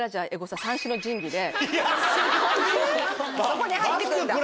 そこに入って来るんだ。